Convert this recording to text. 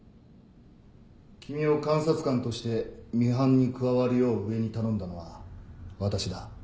君を監察官としてミハンに加わるよう上に頼んだのは私だ。